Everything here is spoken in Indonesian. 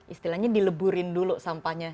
istilahnya dileburin dulu sampahnya